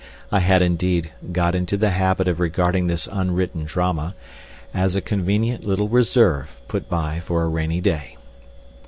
I had, indeed, got into the habit of regarding this unwritten drama as a convenient little reserve put by for a rainy day.